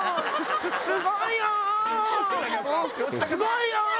すごいよ！